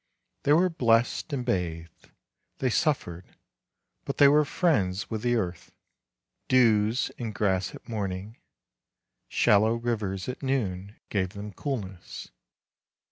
They were blessed and bathed; they suffered, but they were friends with the earth; dews in grass at morning, shallow rivers at noon, gave them coolness.